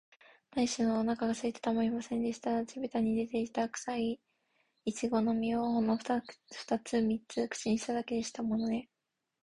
なにしろ、おなかがすいてたまりませんでした。地びたに出ていた、くさいちごの実を、ほんのふたつ三つ口にしただけでしたものね。